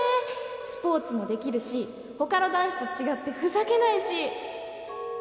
スポーツもできるし他の男子と違ってふざけないし！